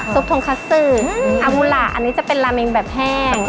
ซุปโทงคะซื้ออัวุระอันนี้จะเป็นลาเมนแบบแห้ง